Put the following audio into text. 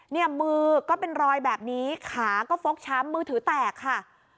เนี่ยมือก็เป็นรอยแบบนี้ขาก็ฟกช้ำมือถือแตกค่ะ